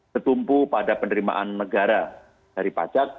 bertumpu pada penerimaan negara dari pajak